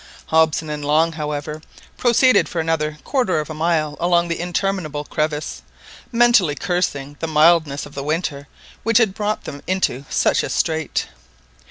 Hobson and Long, however, proceeded for another quarter of a mile along the interminable crevasse, mentally cursing the mildness of the winter which had brought them into such a strait.